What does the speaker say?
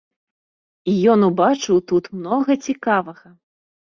І ён убачыў тут многа цікавага.